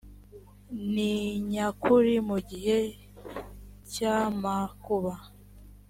ni nyakuri mu gihe cy amakuba